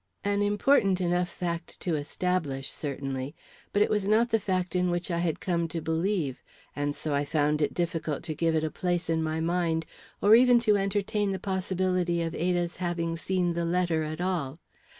An important enough fact to establish, certainly; but it was not the fact in which I had come to believe, and so I found it difficult to give it a place in my mind, or even to entertain the possibility of Ada's having seen the letter at all.